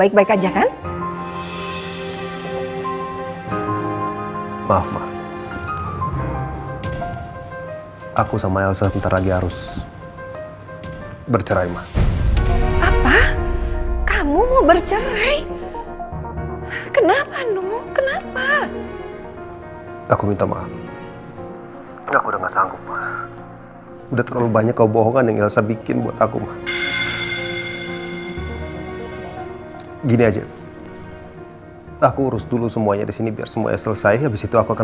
karna aku sentiasa mengogyuti cocktail di rumah itu